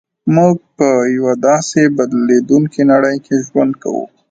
موږ په یوه داسې بدلېدونکې نړۍ کې ژوند کوو